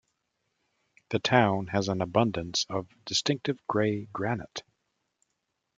The town has an abundance of distinctive grey granite.